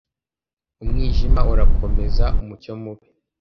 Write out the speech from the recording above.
Umwijima urakomeza. Umucyo mubi